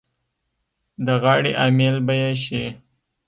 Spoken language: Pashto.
د غاړې امېل به یې شي.